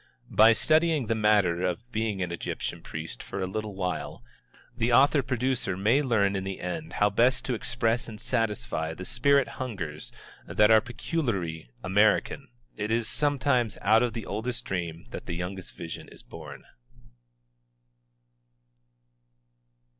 By studying the matter of being an Egyptian priest for a little while, the author producer may learn in the end how best to express and satisfy the spirit hungers that are peculiarly American. It is sometimes out of the oldest dream that the youngest vision is born.